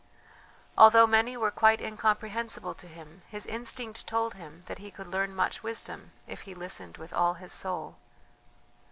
Although many were quite incomprehensible to him, his instinct told him that he could learn much wisdom if he listened with all his soul.